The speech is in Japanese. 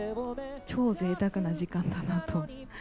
超ぜいたくな時間だなと。